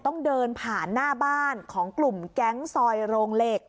ต้องเดินผ่านหน้าบ้านของกลุ่มแก๊งซอยโรงเหล็ก